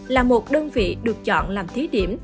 là một đơn vị được chọn làm thí điểm